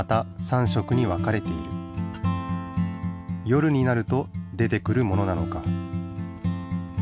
夜になると出てくるものなのか？